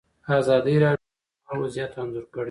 ازادي راډیو د هنر وضعیت انځور کړی.